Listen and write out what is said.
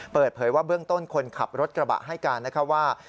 เปิดเผยว่าเบื้องต้นคนขับรถกระบะให้การนะคะว่า